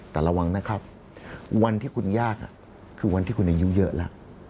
แต่ระวังนะครับวันที่คุณยากคือวันที่คุณอายุเยอะแล้ว